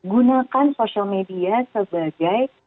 gunakan social media sebagai